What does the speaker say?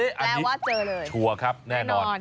แปลว่าเจอเลยแน่นอน